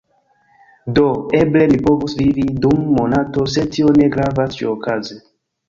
Do, eble mi povus vivi dum monato sed tio ne gravas ĉiuokaze